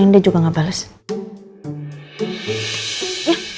jangan deh jangan dikirim deh